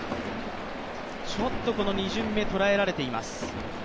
ちょっと２巡目、捉えられています。